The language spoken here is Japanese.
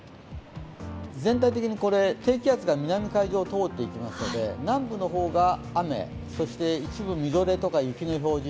全体的に低気圧が南海上を通っていきますので、南部の方が雨、そして一部みぞれとか雪の表示。